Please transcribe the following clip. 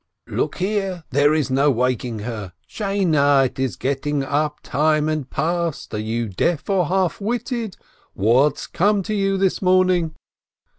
Ijook here !— There is no waking WOMEN 457 her !— Sheine ! It's getting up time and past ! Are you deaf or half witted ? What' s come to you this morning